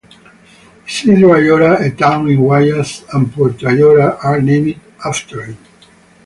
Isidro Ayora, a town in Guayas, and Puerto Ayora, are named after him.